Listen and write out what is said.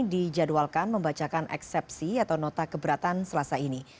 dijadwalkan membacakan eksepsi atau nota keberatan selasa ini